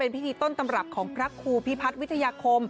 พิธีต้นตำรับของพระครูพิพัฒน์วิทยาคม